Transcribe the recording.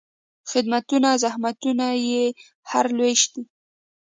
خدمتونه، زحمتونه یې هر لوېشت دي